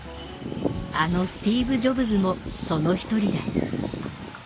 あのスティーブ・ジョブズもその一人だ。